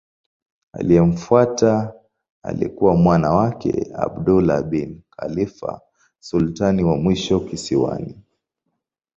Aliyemfuata alikuwa mwana wake Abdullah bin Khalifa sultani wa mwisho kisiwani.